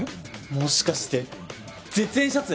もしかして絶縁シャツ？